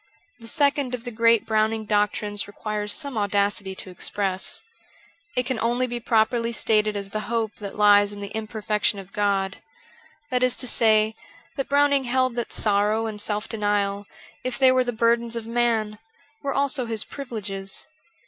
The second of the great Browning doctrines requires some audacity to express. It can only be properly stated as the hope that lies in the imperfection of God — that is to say, that Browning held that sorrow and self denial, if they were the burdens of man, were also his privileges.